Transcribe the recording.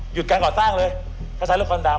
หยุดการก่อนสร้างเลย